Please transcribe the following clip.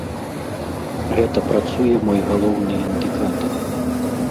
Гэта працуе мой галоўны індыкатар.